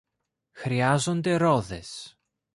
Χρειάζονται ρόδες.